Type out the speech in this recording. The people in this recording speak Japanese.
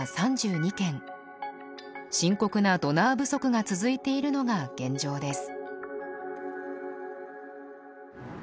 深刻なドナー不足が続いているのが現状です。